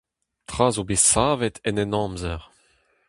Tra zo bet savet en Henamzer.